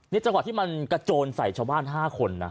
นี่จังหวะที่มันกระโจนใส่ชาวบ้าน๕คนนะ